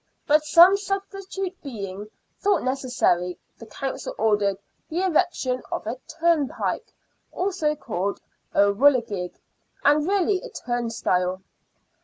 But some substitute being thought necessary, the Council ordered the erection of a " turnpike," also called a " whirligig," and really a turnstile.